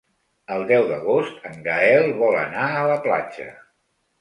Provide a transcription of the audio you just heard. El deu d'agost en Gaël vol anar a la platja.